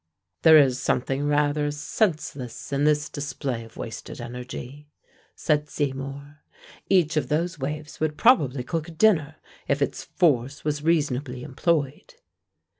"There is something rather senseless in this display of wasted energy," said Seymour. "Each of those waves would probably cook a dinner, if its force was reasonably employed."